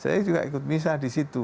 saya juga ikut misah di situ